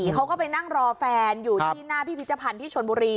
เขาก็ไปนั่งรอแฟนอยู่ที่หน้าพิพิธภัณฑ์ที่ชนบุรี